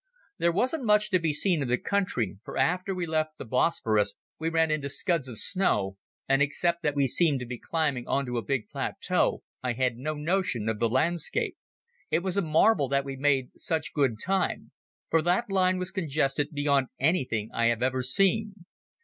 There wasn't much to be seen of the country, for after we left the Bosporus we ran into scuds of snow, and except that we seemed to be climbing on to a big plateau I had no notion of the landscape. It was a marvel that we made such good time, for that line was congested beyond anything I have ever seen.